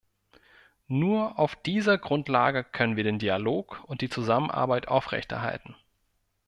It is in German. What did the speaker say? Nur auf dieser Grundlage können wir den Dialog und die Zusammenarbeit aufrechterhalten.